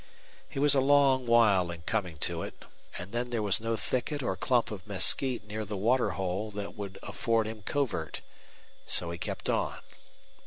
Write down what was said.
He was a long while in coming to it, and then there was no thicket or clump of mesquite near the waterhole that would afford him covert. So he kept on.